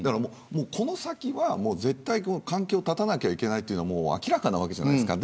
この先は絶対関係を絶たなければいけないのは明らかなわけじゃないですか。